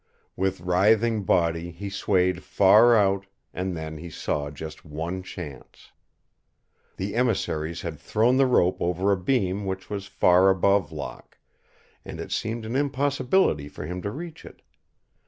With writhing body he swayed far out, and then he saw just one chance. The emissaries had thrown the rope over a beam which was far above Locke, and it seemed an impossibility for him to reach it.